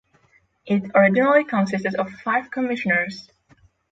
It originally consisted of five commissioners.